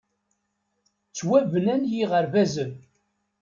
Ttwabnan yiɣerbazen.